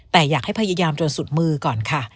แต่อยากให้พยายามจนสุดมือก่อนค่ะ